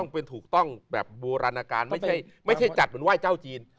เป็นถูกต้องแบบโบราณการไม่ใช่จัดเหมือนไหว้เจ้าจีน